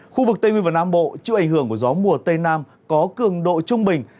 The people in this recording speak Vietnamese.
khu vực tây nguyên và nam bộ chịu ảnh hưởng của gió mùa tây nam có cường độ trung bình